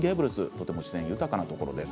とても自然豊かなところです。